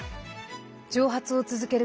挑発を続ける